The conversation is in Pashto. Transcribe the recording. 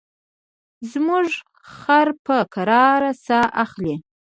زموږ خر په کراره ساه اخلي.